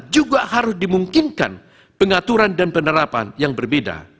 juga harus dimungkinkan pengaturan dan penerapan yang berbeda